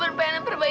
nanti orang nyahua